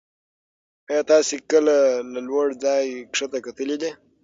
ایا تاسې کله له لوړ ځایه کښته کتلي دي؟